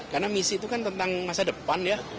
karena misi itu kan tentang masa depan ya